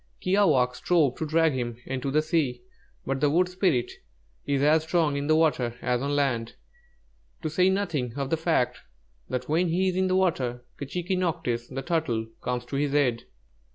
Kiāwāhq' strove to drag him into the sea, but the wood spirit is as strong in the water as on land, to say nothing of the fact that when he is in the water, 'K'chīquī nocktsh,' the Turtle, comes to his aid.